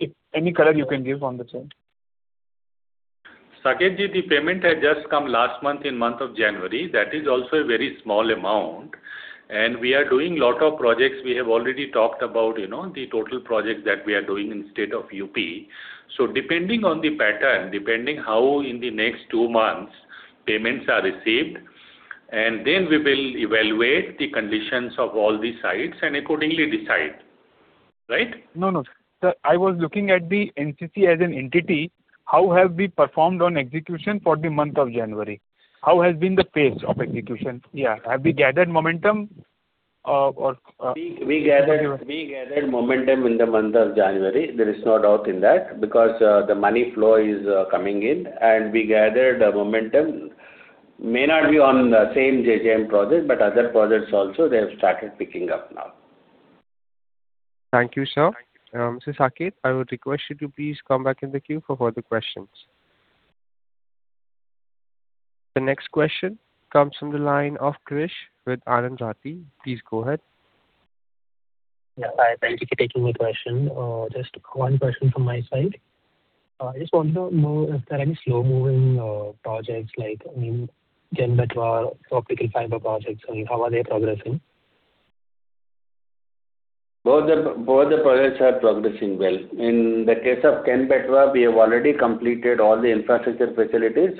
if any color you can give on the same? Saket ji, the payment has just come last month in month of January. That is also a very small amount. And we are doing a lot of projects. We have already talked about the total projects that we are doing in the state of UP. So depending on the pattern, depending how in the next two months payments are received, and then we will evaluate the conditions of all these sites and accordingly decide, right? No, no. Sir, I was looking at the NCC as an entity. How have we performed on execution for the month of January? How has been the pace of execution? Yeah. Have we gathered momentum or? We gathered momentum in the month of January. There is no doubt in that because the money flow is coming in, and we gathered momentum. May not be on the same JJM project, but other projects also, they have started picking up now. Thank you, sir. Mr. Saket, I would request you to please come back in the queue for further questions. The next question comes from the line of Krish with Anand Rathi. Please go ahead. Yes, hi. Thank you for taking my question. Just one question from my side. I just wanted to know if there are any slow-moving projects like Ken-Betwa optical fiber projects. I mean, how are they progressing? Both the projects are progressing well. In the case of Ken-Betwa, we have already completed all the infrastructure facilities.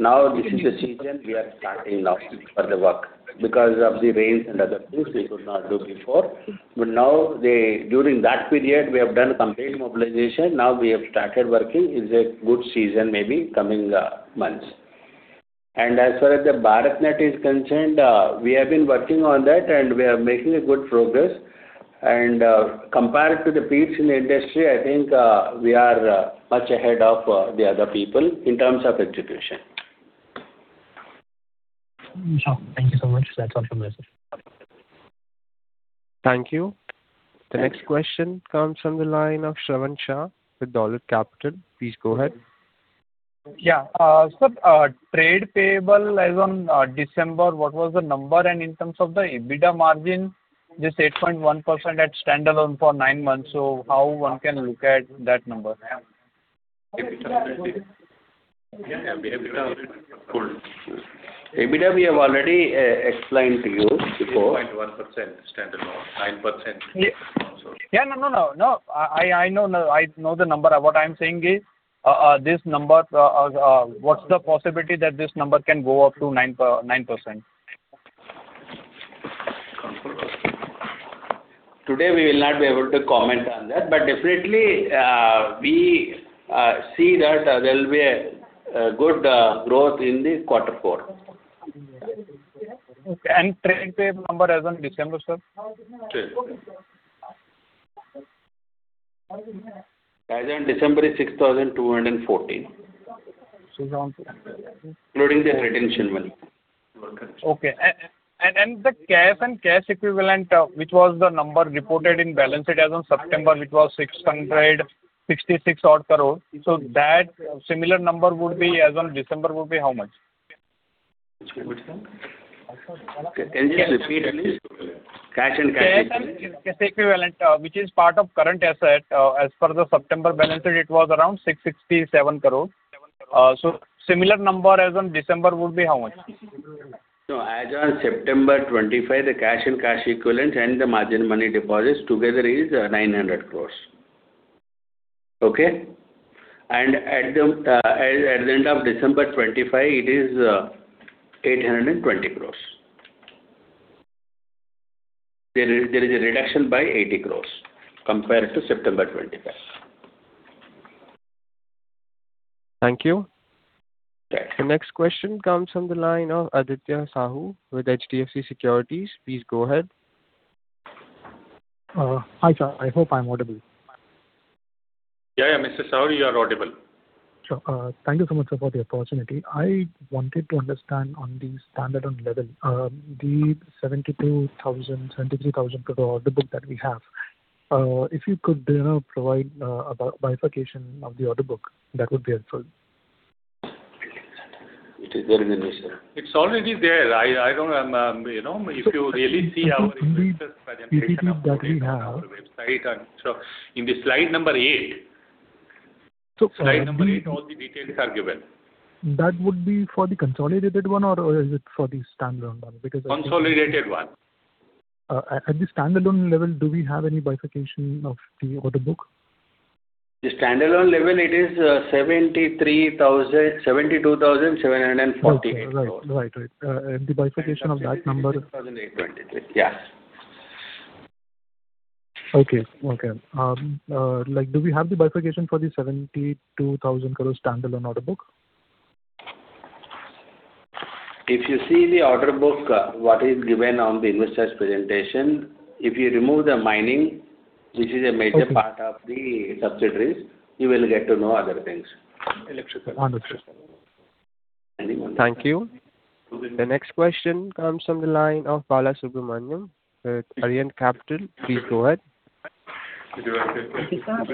Now this is the season we are starting now for the work because of the rains and other things we could not do before. But now, during that period, we have done complete mobilization. Now we have started working. It's a good season maybe coming months. As far as the BharatNet is concerned, we have been working on that, and we are making good progress. Compared to the peers in the industry, I think we are much ahead of the other people in terms of execution. Sure. Thank you so much. That's all from me, sir. Thank you. The next question comes from the line of Shravan Shah with Dolat Capital. Please go ahead. Yeah. Sir, trade payable is on December. What was the number? And in terms of the EBITDA margin, just 8.1% at standalone for nine months. So how one can look at that number? EBITDA? EBITDA, we have already explained to you before. 8.1% standalone, 9% sponsored. Yeah. No, no, no. No. I know the number. What I'm saying is this number, what's the possibility that this number can go up to 9%? Today, we will not be able to comment on that. But definitely, we see that there will be a good growth in the quarter four. Okay. And trade payable number as on December, sir? As on December is 6,214, including the retention money. Okay. The cash and cash equivalent, which was the number reported in balance sheet as on September, which was 666 odd crore, so that similar number would be as on December would be how much? Can you just repeat, please? Cash and cash equivalent. Cash and cash equivalent, which is part of current asset. As per the September balance sheet, it was around 667 crore. So similar number as on December would be how much? No, as on September 25, the cash and cash equivalents and the margin money deposits together is 900 crores. Okay? And at the end of December 25, it is 820 crores. There is a reduction by 80 crores compared to September 25. Thank you. The next question comes from the line of Aditya Sahu with HDFC Securities. Please go ahead. Hi, sir. I hope I'm audible. Yeah, yeah. Mr. Sahu, you are audible. Thank you so much, sir, for the opportunity. I wanted to understand on the standalone level, the 73,000 crore order book that we have, if you could provide a bifurcation of the order book, that would be helpful. It is already there. I don't know if you really see our presentation of the order book on our website. In the slide number 8, slide number 8, all the details are given. That would be for the consolidated one, or is it for the standalone one? Because I think. Consolidated one. At the standalone level, do we have any bifurcation of the order book? The standalone level, it is 72,748 crores. Right, right, right. And the bifurcation of that number. 72,823. Yes. Okay, okay. Do we have the bifurcation for the 72,000 crore standalone order book? If you see the order book, what is given on the investor's presentation, if you remove the mining, this is a major part of the subsidiaries, you will get to know other things. Electrical. Thank you. The next question comes from the line of Balasubramanian with Aryan Capital. Please go ahead. Thank you, sir.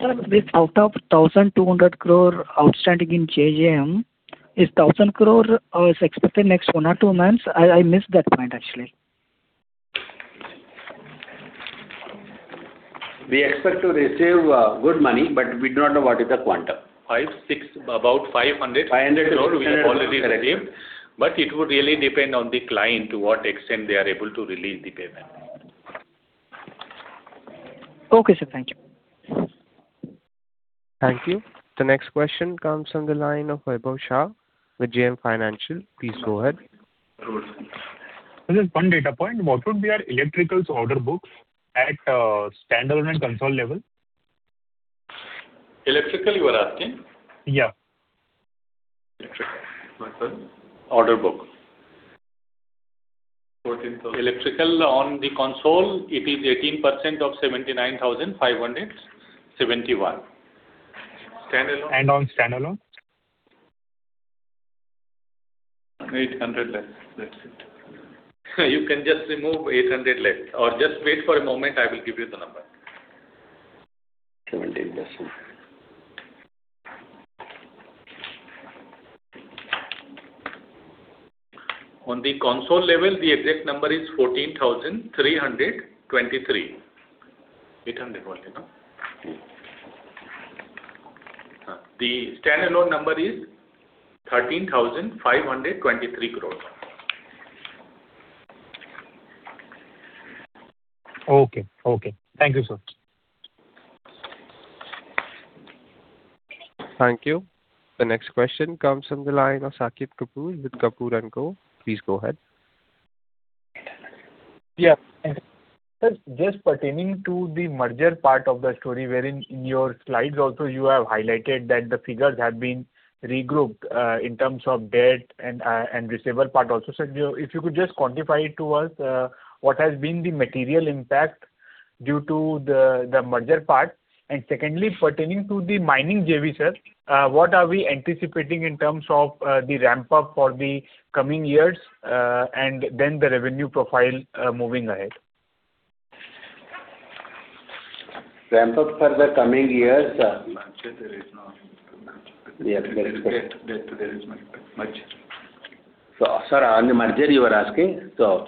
Sir, this out of 1,200 crore outstanding in JJM, is 1,000 crore expected next one or two months? I missed that point, actually. We expect to receive good money, but we do not know what is the quantum. 5, 6, about 500 crore we have already received. But it would really depend on the client to what extent they are able to release the payment. Okay, sir. Thank you. Thank you. The next question comes from the line of Vaibhav Shah with JM Financial. Please go ahead. This is one data point. What would be our electricals order books at standalone and consolidated level? Electrical, you are asking? Yeah. Electrical. I'm sorry. Order book. INR 14,000. Electrical on the console, it is 18% of 79,571. Standalone? On standalone? 800 less. That's it. You can just remove 800 less. Or just wait for a moment, I will give you the number. 17%. On the console level, the exact number is 14,323. 800 only, no? Yeah. The standalone number is INR 13,523 crore. Okay, okay. Thank you, sir. Thank you. The next question comes from the line of Saket Kapoor with Kapoor & Co. Please go ahead. Yeah. Sir, just pertaining to the merger part of the story wherein in your slides also, you have highlighted that the figures have been regrouped in terms of debt and receivable part also. Sir, if you could just quantify it to us, what has been the material impact due to the merger part? And secondly, pertaining to the mining, JV, sir, what are we anticipating in terms of the ramp-up for the coming years and then the revenue profile moving ahead? Ramp-up for the coming years, sir. Merger, there is no debt. Yes, that's correct. Debt, there is much debt. So, sir, on the merger, you were asking. So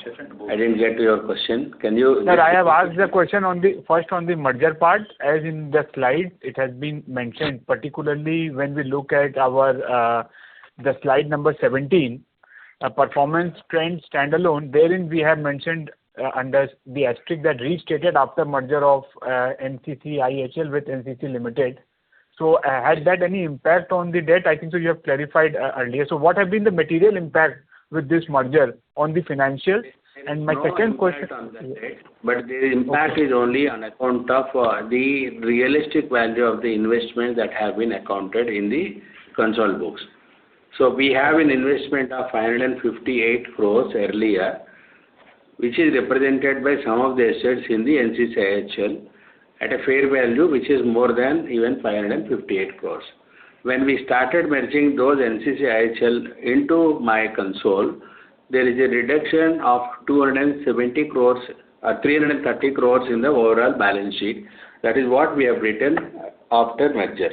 I didn't get to your question. Can you? Sir, I have asked the question first on the merger part. As in the slides, it has been mentioned, particularly when we look at the slide number 17, performance trend standalone, wherein we have mentioned under the asterisk that restated after merger of NCC IHL with NCC Limited. So had that any impact on the debt? I think so you have clarified earlier. So what have been the material impact with this merger on the financial? And my second question. On the debt, but the impact is only on account of the realistic value of the investment that have been accounted in the consolidated books. So we have an investment of 558 crores earlier, which is represented by some of the assets in the NCC IHL at a fair value, which is more than even 558 crores. When we started merging those NCC IHL into NCC consolidated, there is a reduction of 330 crores in the overall balance sheet. That is what we have written after merger.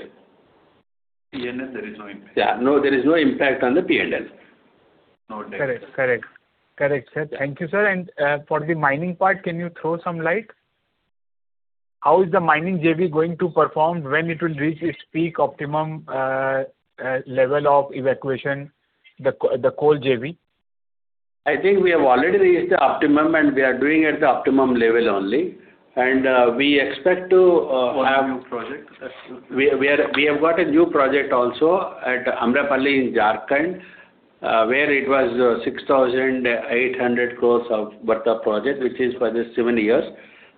P&L, there is no impact? Yeah. No, there is no impact on the P&L. No debt. Correct, correct, correct, sir. Thank you, sir. And for the mining part, can you throw some light? How is the mining JV going to perform when it will reach its peak optimum level of evacuation, the coal JV? I think we have already reached the optimum, and we are doing at the optimum level only. We expect to have. What new project? We have got a new project also at Amrapali in Jharkhand where it was 6,800 crores worth of project, which is for the seven years.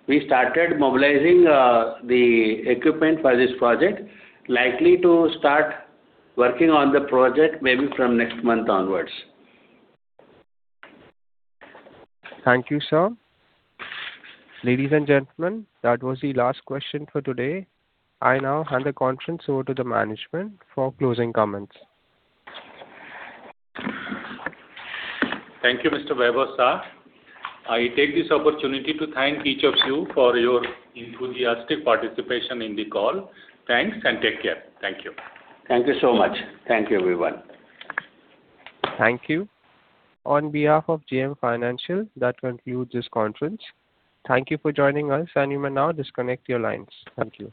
We started mobilizing the equipment for this project. Likely to start working on the project maybe from next month onwards. Thank you, sir. Ladies and gentlemen, that was the last question for today. I now hand the conference over to the management for closing comments. Thank you, Mr. Vaibhav Shah. I take this opportunity to thank each of you for your enthusiastic participation in the call. Thanks and take care. Thank you. Thank you so much. Thank you, everyone. Thank you. On behalf of JM Financial, that concludes this conference. Thank you for joining us, and you may now disconnect your lines. Thank you.